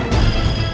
aku baru pulang